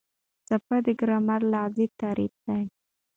څپه د ګرامر لحاظه تعریف ده.